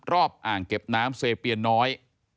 อ่างเก็บน้ำเซเปียนน้อย